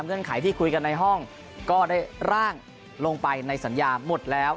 ไขที่คุยกันในห้องก็ได้ร่างลงไปในสัญญาหมดแล้ว